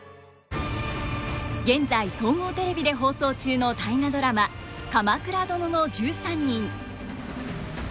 現在総合テレビで放送中の「大河ドラマ鎌倉殿の１３人」。